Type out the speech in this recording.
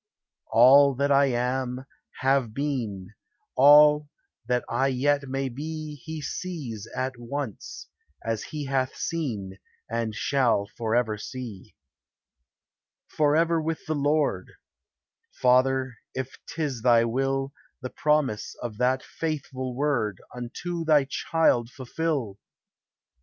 All that I am, have been, All that I yet may be, He sees at once, as he hath seen, And shall forever see. DEATH: IMMORTALITY: HEAVEN. 405 " Forever with the Lord;" Father, if 't is thy will, The promise of that faithful word Unto thy child fulfil!